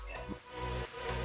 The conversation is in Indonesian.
jadi sumber water atau penularan